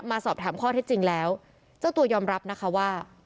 มาสอบถามข้อเท็จจริงแล้วเจ้าตัวยอมรับนะคะว่า